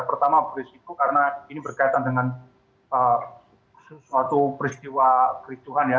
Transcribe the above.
pertama berisiko karena ini berkaitan dengan suatu peristiwa kericuhan ya